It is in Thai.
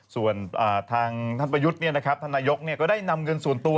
ส่วนทางท่านประยุทธ์ท่านนายกก็ได้นำเงินส่วนตัว